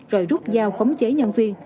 rồi rút dao khống chế nhân viên